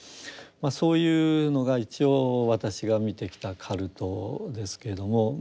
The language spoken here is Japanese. そういうのが一応私が見てきたカルトですけども。